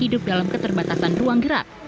hidup dalam keterbatasan ruang gerak